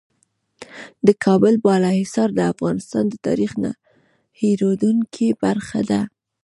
د کابل بالا حصار د افغانستان د تاریخ نه هېرېدونکې برخه ده.